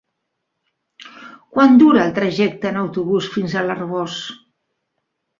Quant dura el trajecte en autobús fins a l'Arboç?